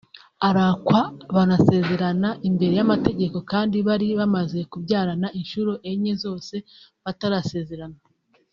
arakwa banasezerana imbere y’amategeko kandi bari bamaze kubyarana inshuro enye zose batarasezerana